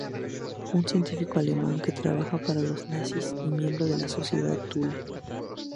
Un científico alemán que trabaja para los nazis y miembro de la Sociedad Thule.